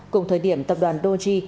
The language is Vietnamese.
cùng thời điểm tập đoàn doji